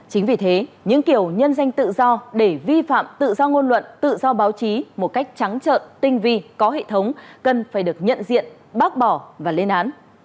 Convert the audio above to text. chính vì thế những kiểu nhân danh tự do để vi phạm tự do ngôn luận tự do báo chí một cách trắng trợn tinh vi có hệ thống cần phải được nhận diện bác bỏ và lên án